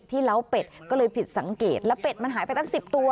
เล้าเป็ดก็เลยผิดสังเกตแล้วเป็ดมันหายไปตั้ง๑๐ตัว